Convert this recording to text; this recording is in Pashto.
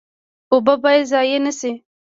اوبه باید ضایع نشي